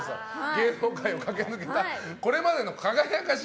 芸能界を駆け抜けたこれまでの輝かしい